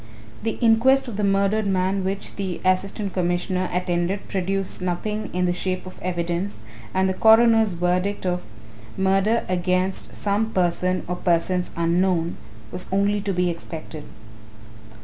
The inquest on the murdered man which the Assistant Commissioner attended produced nothing in the shape of evidence and the coroner's verdict of "murder against some person or persons unknown" was only to be expected.